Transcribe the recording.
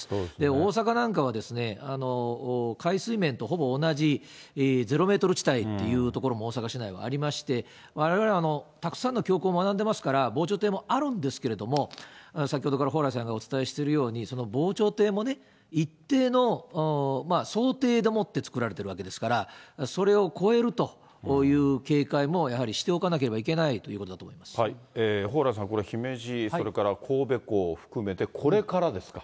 大阪なんかは、海水面とほぼ同じゼロメートル地帯っていう所も大阪市内はありまして、われわれ、たくさんの教訓を学んでますから、防潮堤もあるんですけれども、先ほどから蓬莱さんがお伝えしているように、その防潮堤もね、一定の想定でもって作られてるわけですから、それをこえるという警戒もやはりしておかなければいけないという蓬莱さん、これ、姫路、それから神戸港を含めて、これからですか。